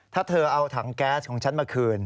ถ้าเธอเอาถังแก๊สของฉันมาคืน